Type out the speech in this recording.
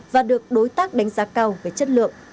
và được đối tác đánh giá cao về chất lượng